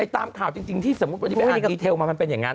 ตามข่าวจริงที่สมมุติวันนี้ไปให้ดีเทลมามันเป็นอย่างนั้น